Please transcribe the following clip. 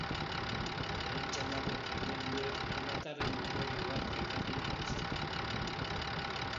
Lehen txandako traineruek enbataren ondorioak pairatu dituzte.